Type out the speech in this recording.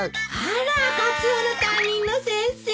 ・あらカツオの担任の先生。